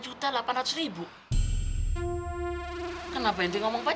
otomotif apa yang diomong jangan